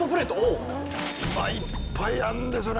まあいっぱいあるんですよね